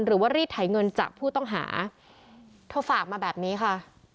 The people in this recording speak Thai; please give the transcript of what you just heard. หรือว่ารีดไถเงินจากผู้ต้องหาเธอฝากมาแบบนี้ค่ะ